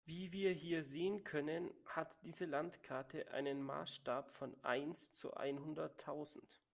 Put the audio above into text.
Wie wir hier sehen können, hat diese Landkarte einen Maßstab von eins zu einhunderttausend.